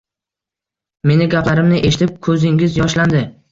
Meni gaplarimni eshitib, ko`zingiz yoshlandi